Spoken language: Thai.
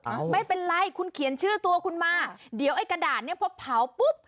ไม่เป็นไรคุณเขียนชื่อตัวคุณมาเดี๋ยวไอ้กระดาษเนี้ยพอเผาปุ๊บ